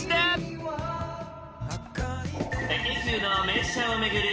京急の名車を巡る